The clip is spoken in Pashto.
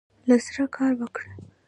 له زړۀ کار وکړه.